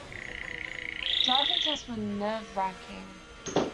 Driving tests are nerve-racking.